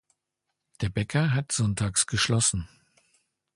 Der Bäcker hat sonntags geschlossen.